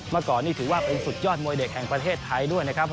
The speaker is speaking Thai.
เมื่อก่อนนี่ถือว่าเป็นสุดยอดมวยเด็กแห่งประเทศไทยด้วยนะครับ